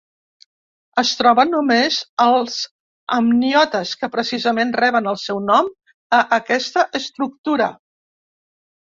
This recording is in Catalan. Es troba només als amniotes, que precisament reben el seu nom a aquesta estructura.